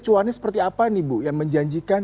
cuannya seperti apa nih bu yang menjanjikan